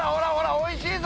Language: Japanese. おいしいぞ！